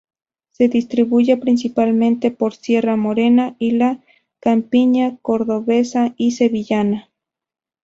Se distribuye principalmente por Sierra Morena y la campiña cordobesa y sevillana.